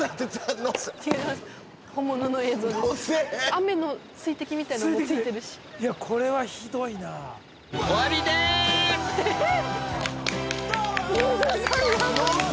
野瀬雨の水滴みたいなのもついてるしこれはひどいな野瀬！